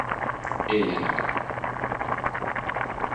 Éljenek!